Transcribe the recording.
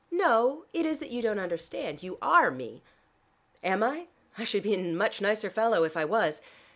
"No: it is that you don't understand. You are me. "Am I? I should be a much nicer fellow if I was.